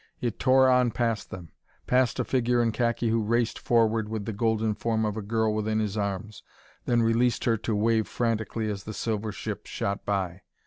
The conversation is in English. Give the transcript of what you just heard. It tore on past them past a figure in khaki who raced forward with the golden form of a girl within his arms, then released her to wave frantically as the silver ship shot by.